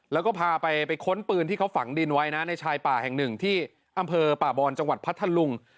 แล้วก็พาไปค้นปืนที่เขาฝังดินไว้นะในชายป่าแห่งหนึ่งที่อำเภอป่าบอนจังหวัดพัทธลุง